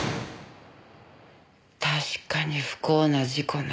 確かに不幸な事故ね。